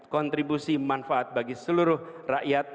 kontribusi manfaat bagi seluruh rakyat